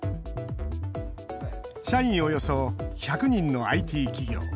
社員およそ１００人のＩＴ企業。